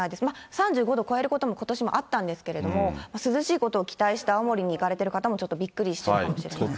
３５度超えることも、ことしもあったんですけれども、涼しいことを期待して、青森に行かれた方もちょっとびっくりしてるかもしれないですね。